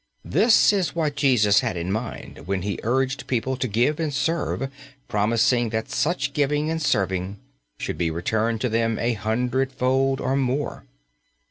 This is what Jesus had in mind when He urged people to give and serve, promising that such giving and serving should be returned to them a hundred fold or more.